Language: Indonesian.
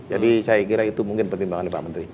jadi saya kira itu mungkin pertimbangan pak menteri